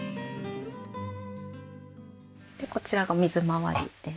でこちらが水回りです。